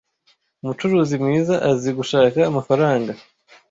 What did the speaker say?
Umucuruzi mwiza azi gushaka amafaranga.